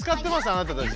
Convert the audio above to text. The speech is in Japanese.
あなたたち。